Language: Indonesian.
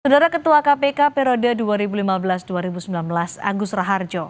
saudara ketua kpk periode dua ribu lima belas dua ribu sembilan belas agus raharjo